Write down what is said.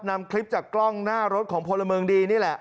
นำคลิปจากกล้องหน้ารถของพลเมืองดีนี่แหละ